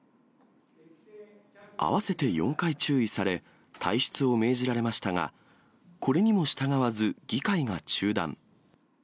合わせて４回注意され、退室を命じられましたが、これにも従わず、議会が中断。